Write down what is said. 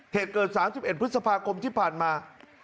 เหตุเกิด๓๑พฤษภาคมที่ผ่านมา